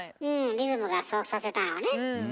リズムがそうさせたのね。